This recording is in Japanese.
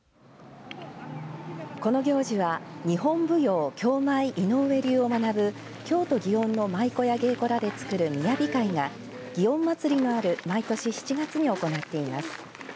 この行事は日本舞踊京舞井上流を学ぶ京都祇園の舞妓や芸妓らでつくるみやび会が祇園祭のある毎年７月に行っています。